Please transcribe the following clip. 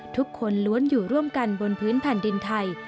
ทุกคนล้วนอยู่ร่วมกันบนพื้นแผ่นดินไทย